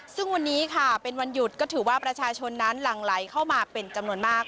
ซึ่งวันนี้ค่ะเป็นวันหยุดก็ถือว่าประชาชนนั้นหลั่งไหลเข้ามาเป็นจำนวนมาก